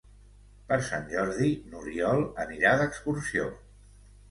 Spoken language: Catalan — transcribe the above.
Per Sant Jordi n'Oriol anirà d'excursió.